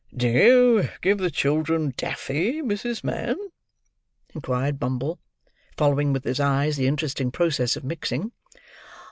"Do you give the children Daffy, Mrs. Mann?" inquired Bumble, following with his eyes the interesting process of mixing.